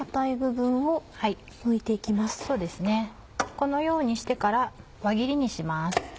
このようにしてから輪切りにします。